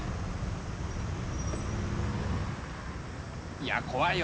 いや怖いよ。